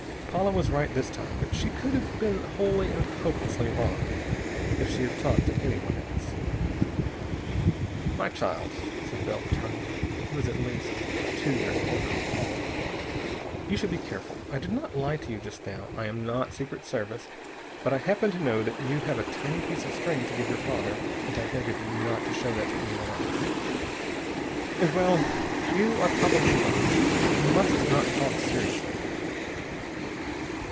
Paula was right this time, but she could have been wholly and hopelessly wrong. If she had talked to anyone else.... "My child," said Bell paternally he was at least two years older than Paula "you should be careful. I did not lie to you just now. I am not Secret Service. But I happen to know that you have a tiny piece of string to give your father, and I beg of you not to show that to anyone else. And well you are probably watched. You must not talk seriously to me!"